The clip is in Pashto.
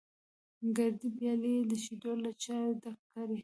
ګردې پيالې یې د شیدو له چایو ډکې کړې.